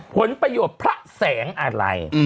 ผลประโยชน์พระแสงอะไร